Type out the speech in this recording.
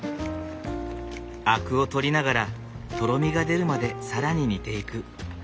アクを取りながらとろみが出るまで更に煮ていく。